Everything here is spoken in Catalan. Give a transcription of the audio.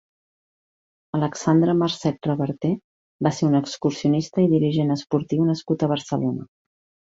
Alexandre Marcet Reverté va ser un excursionista i dirigent esportiu nascut a Barcelona.